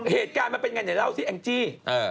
เหตุการณ์มันเป็นอย่างไรแล้วสิแองจี้